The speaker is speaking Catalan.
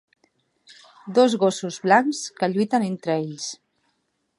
Dos gossos blancs que lluiten entre ells.